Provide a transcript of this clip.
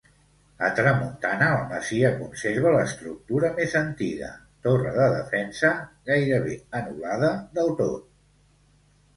A tramuntana, la masia conserva l'estructura més antiga, torre de defensa, gairebé anul·lada del tot.